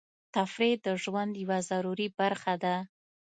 تفریح د ژوند یوه ضروري برخه ده.